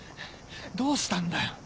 どうしたんだよ？